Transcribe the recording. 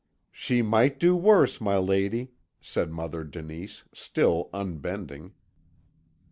"She might do worse, my lady," said Mother Denise, still unbending.